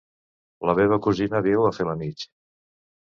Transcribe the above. La meva cosina viu a Felanitx.